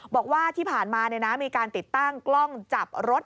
บอกว่าที่ผ่านมามีการติดตั้งกล้องจับรถ